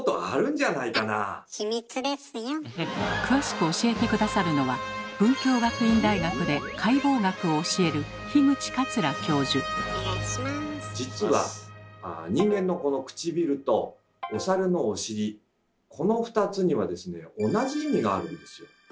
詳しく教えて下さるのは実は人間のくちびるとお猿のお尻この２つには同じ意味があるんですよ。